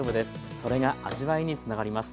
それが味わいにつながります。